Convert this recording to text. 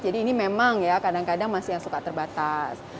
jadi ini memang ya kadang kadang masih yang suka terbatas